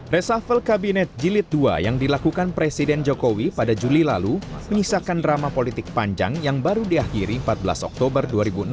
resafel kabinet jilid dua yang dilakukan presiden jokowi pada juli lalu menyisakan drama politik panjang yang baru diakhiri empat belas oktober dua ribu enam belas